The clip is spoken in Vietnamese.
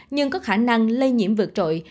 nhưng có khả năng lây nhiễm vượt trội